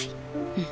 うん。